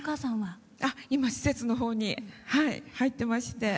今、施設のほうに入ってまして。